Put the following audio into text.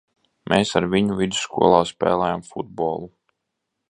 Mēs ar viņu vidusskolā spēlējām futbolu.